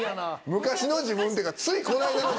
昔の自分っていうか。